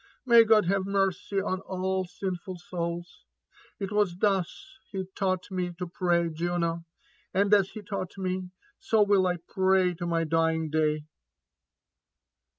'* May God have mercy on all sinful souls! It was thus he tau^t me to pray, Jupo ; and as be taught me, so will I pray to my dying day